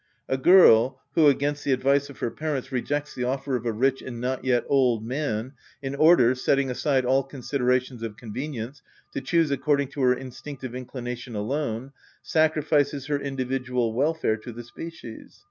A girl who, against the advice of her parents, rejects the offer of a rich and not yet old man, in order, setting aside all considerations of convenience, to choose according to her instinctive inclination alone, sacrifices her individual welfare to the species.